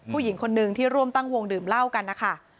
ผู้หญิงคนนึงที่ร่วมตั้งวงดื่มเหล้ากันนะคะ